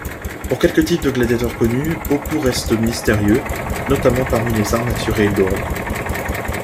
Pour quelques types de gladiateurs connus, beaucoup restent mystérieux, notamment parmi les armaturæ lourdes.